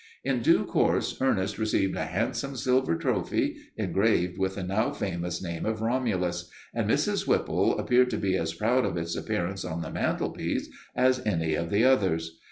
In due course Ernest received a handsome silver trophy, engraved with the now famous name of Romulus, and Mrs. Whipple appeared to be as proud of its appearance on the mantelpiece as any of the others.